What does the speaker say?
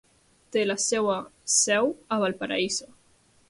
Té la seva seu a Valparaíso.